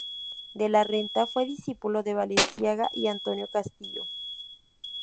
De La Renta fue discípulo de Balenciaga y Antonio Castillo.